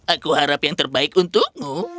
aku harap yang terbaik untukmu